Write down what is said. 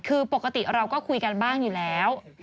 คือปกติเราก็คุยกันบ้างอยู่แล้ว